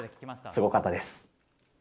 すごかったです。